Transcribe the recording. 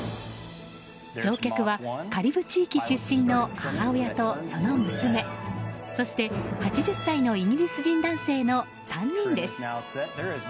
乗客はカリブ地域出身の母親とその娘そして、８０歳のイギリス人男性の３人です。